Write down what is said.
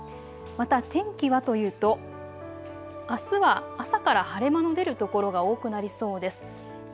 また、天気はというとあすは朝から晴れ間の出る所が多くなりそうです。